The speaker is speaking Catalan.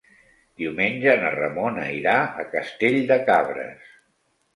Diumenge na Ramona irà a Castell de Cabres.